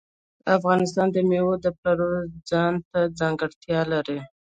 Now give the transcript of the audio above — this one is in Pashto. افغانستان د مېوې د پلوه ځانته ځانګړتیا لري.